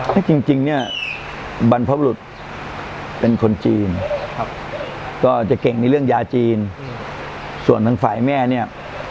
ถ้าจริงเนี่ยบรรพบรุษเป็นคนจีนครับก็จะเก่งในเรื่องยาจีนส่วนทางฝ่ายแม่เนี่ย